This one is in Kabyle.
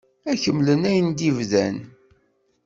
Ad kemmlen ayen i d-bdan?